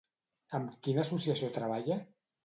Amb quina associació treballa?